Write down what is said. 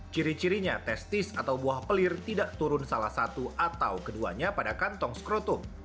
ciri cirinya testis atau buah pelir tidak turun salah satu atau keduanya pada kantong skroto